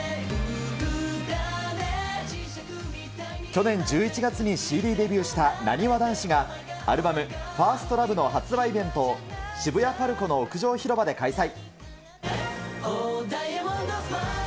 去年１１月にＣＤデビューしたなにわ男子が、アルバム、ファーストラブの発売イベントを、渋谷パルコの屋上広場で開催。